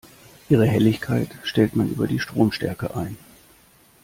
Ihre Helligkeit stellt man über die Stromstärke ein.